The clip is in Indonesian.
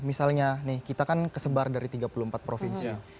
misalnya nih kita kan kesebar dari tiga puluh empat provinsi